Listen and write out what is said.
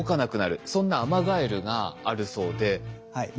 そんなアマガエルがあるそうで。